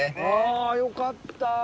あぁよかった。